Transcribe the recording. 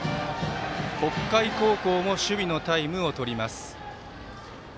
北海高校も守備のタイムをとります。